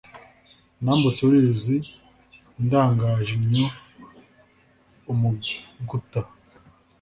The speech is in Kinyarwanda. Nambutse uruzi ndangaje innyo-Umuguta.